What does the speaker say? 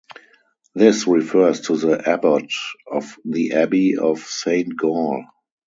This refers to the abbot of the Abbey of Saint Gall.